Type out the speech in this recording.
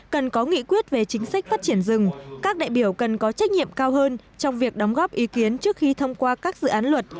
cần có nghị quyết về chính sách phát triển rừng các đại biểu cần có trách nhiệm cao hơn trong việc đóng góp ý kiến trước khi thông qua các dự án luật